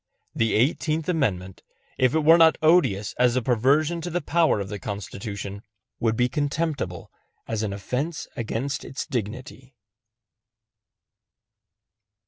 The Eighteenth Amendment, if it were not odious as a perversion of the power of the Constitution, would be contemptible as an offense against its dignity.